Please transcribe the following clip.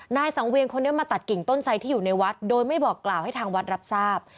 นายสังเวียนคนนี้มาตัดกิ่งต้นไซดที่อยู่ในวัดโดยไม่บอกกล่าวให้ทางวัดรับทราบ